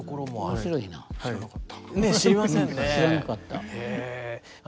知らなかった。